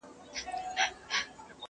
دلته تم سه چي بېړۍ دي را رسیږي!.